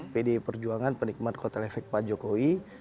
pdi perjuangan penikmat kotel efek pak jokowi